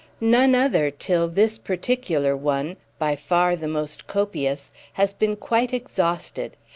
"None other till this particular one—by far the most copious—has been quite exhausted.